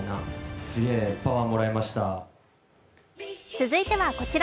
続いてはこちら。